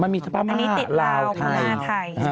มันมีที่ติดกับพม่าลาวไทย